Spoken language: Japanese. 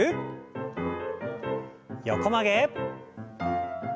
横曲げ。